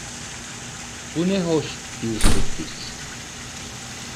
Bu ne hoş bir sürpriz.